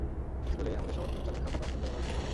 স্কুলে, আমাদের সকলকে উচ্চাকাঙ্ক্ষা প্রকাশ করতে বলা হয়েছিল।